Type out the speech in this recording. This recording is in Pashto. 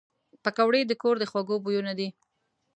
پکورې د کور د خوږو بویونه دي